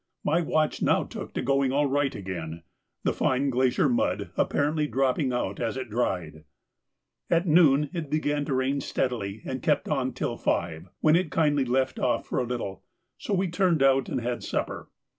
My watch now took to going all right again, the fine glacier mud apparently dropping out as it dried. At noon it began to rain steadily and kept on till five, when it kindly left off for a little, so we turned out and had supper.